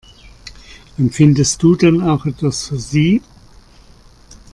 Empfindest du denn auch etwas für sie?